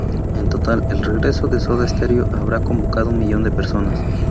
En total el regreso de Soda Stereo habrá convocado un millón de personas.